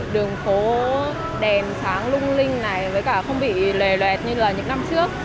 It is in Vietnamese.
đường phố đèn sáng lung linh này với cả không bị lề lẹt như là những năm trước